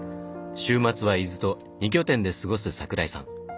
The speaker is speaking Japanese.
週末は伊豆と２拠点で過ごす桜井さん。